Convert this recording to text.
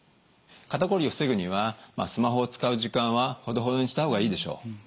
肩こりを防ぐにはスマホを使う時間はほどほどにした方がいいでしょう。